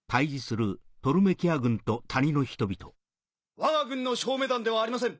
わが軍の照明弾ではありません。